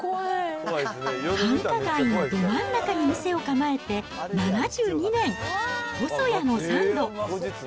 繁華街のど真ん中に店を構えて７２年、ほそやのサンド。